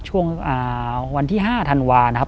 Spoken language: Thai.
ช่วงวันที่๕ธันวานะครับ